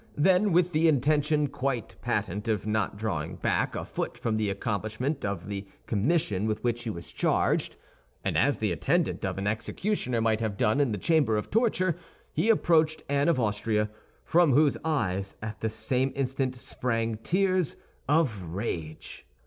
Then, with the intention quite patent of not drawing back a foot from the accomplishment of the commission with which he was charged, and as the attendant of an executioner might have done in the chamber of torture, he approached Anne of Austria, from whose eyes at the same instant sprang tears of rage.